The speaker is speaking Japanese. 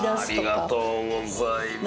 ありがとうございます。